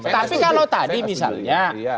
tapi kalau tadi misalnya